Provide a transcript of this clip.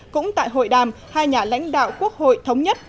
cũng tại hội đàm hai nhà lãnh đạo quốc hội thống nhất